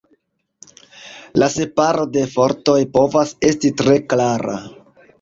La separo de fortoj povas esti tre klara.